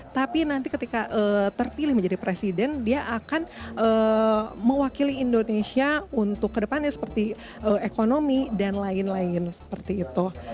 tapi nanti ketika terpilih menjadi presiden dia akan mewakili indonesia untuk kedepannya seperti ekonomi dan lain lain seperti itu